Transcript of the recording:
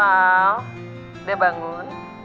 halo al udah bangun